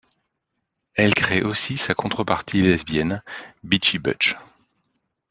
Elle crée aussi sa contrepartie lesbienne, Bitchy Butch.